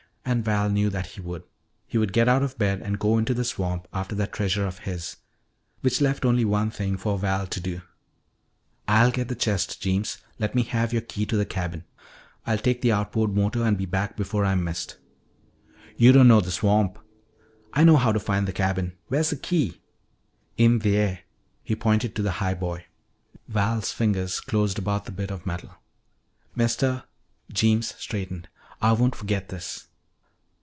And Val knew that he would. He would get out of bed and go into the swamp after that treasure of his. Which left only one thing for Val to do. "I'll get the chest, Jeems. Let me have your key to the cabin. I'll take the outboard motor and be back before I'm missed." "Yo' don't know the swamp " "I know how to find the cabin. Where's the key?" "In theah," he pointed to the highboy. Val's fingers closed about the bit of metal. "Mistuh," Jeems straightened, "Ah won't forgit this."